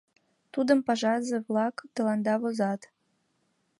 Тудым пашазе-влак тыланда возат.